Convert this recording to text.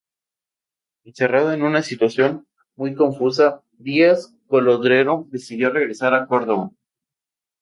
Encerrado en una situación muy confusa, Díaz Colodrero decidió regresar a Córdoba.